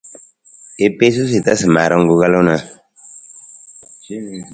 I piisu sa i tasa maarung ku kalung ja?